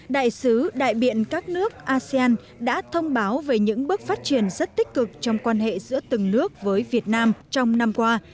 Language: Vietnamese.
đại sứ đại biện các nước asean đã thông báo về những bước phát triển rất tích cực trong quan hệ giữa từng nước với việt nam trong năm qua